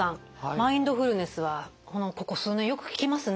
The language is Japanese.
マインドフルネスはここ数年よく聞きますね。